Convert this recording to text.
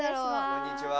こんにちは。